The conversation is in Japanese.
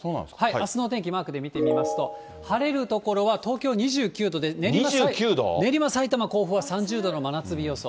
あすのお天気、マークで見てみますと、晴れる所は、２９度？練馬、さいたま、甲府は３０度の真夏日予想。